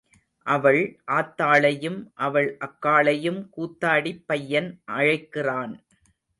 அவள் ஆத்தாளையும் அவள் அக்காளையும் கூத்தாடிப் பையன் அழைக்கிறான்.